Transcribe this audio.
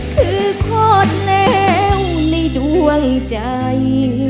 คือคนเลวในดวงใจ